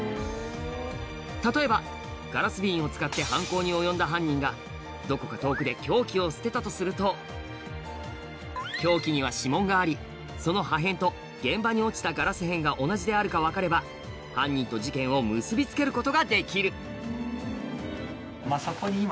例えばガラス瓶を使って犯行に及んだ犯人がどこか遠くで凶器を捨てたとすると凶器には指紋がありその破片と現場に落ちたガラス片が同じであるか分かれば犯人と事件を結び付けることができるそこに今。